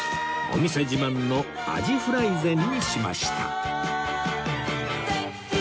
お店自慢の鰺フライ膳にしました